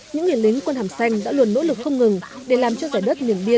những người lính quân hàm xanh đã luôn nỗ lực không ngừng để làm cho giải đất miền biên